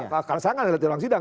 biasa kan lihat di ruang sidang